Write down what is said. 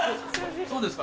そうですか？